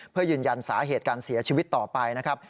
เพื่อยืนยันสาเหตุการเสียชีวิตต่อไปนะครับ